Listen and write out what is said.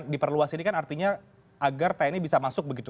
diperluas ini kan artinya agar tni bisa masuk begitu